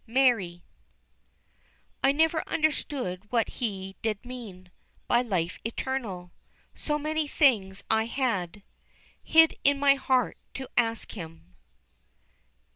MARY. I never understood what He did mean By Life Eternal. So many things I had Hid in my heart to ask Him.